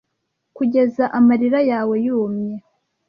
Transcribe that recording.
Kugeza amarira yawe yumye.